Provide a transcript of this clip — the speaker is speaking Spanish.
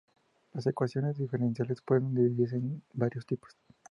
Las ecuaciones diferenciales pueden dividirse en varios tipos.